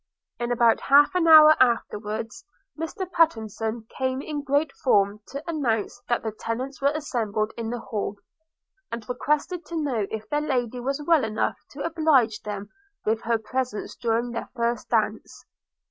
In about half an hour afterwards Mr Pattenson came in great form to announce that the tenants were assembled in the hall, and requested to know if their Lady was well enough to oblige them with her presence during their first dance.